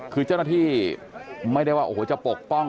คือเจ้าหน้าที่ไม่ได้ว่าโอ้โหจะปกป้อง